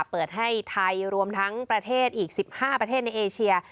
เปิดให้ไทยรวมทั้งประเทศอีก๑๕ประเทศในเอเชีย